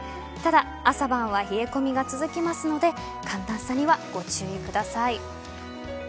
ただ、朝晩は冷え込みが続きますので寒暖差にはご注意ください。